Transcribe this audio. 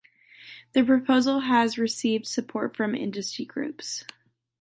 The proposal has received support from industry groups.